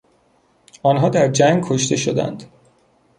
آنها در جنگ کشته شدند.